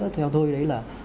thứ hai là